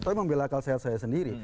tapi membela akal sehat saya sendiri